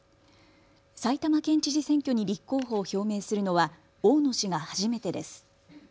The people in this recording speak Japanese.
埼玉県知事選挙に立候補を表明するのは大野氏が初めてです。